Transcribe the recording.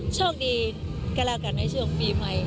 ช่วงนี้ก็แล้วกันให้ช่วงปีใหม่